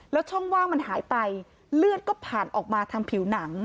แล้วช่องว่างมันหายไปเลือดก็ผ่านออกมาทางผิวหนัง